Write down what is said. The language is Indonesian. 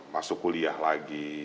masuk kuliah lagi